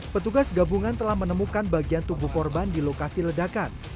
petugas gabungan telah menemukan bagian tubuh korban di lokasi ledakan